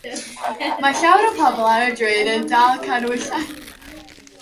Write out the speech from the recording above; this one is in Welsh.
Mae llawer o bobl ar drên yn dal canhwyllau.